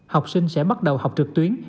học sinh sẽ bắt đầu học trực tuyến